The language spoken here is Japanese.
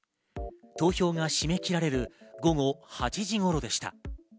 投票が締め切られる午後８時頃でした。